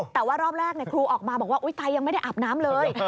แต่ว่ารอบแรกครูออกมาบอกว่าอุ๊ยตายยังไม่ได้อาบน้ำเลย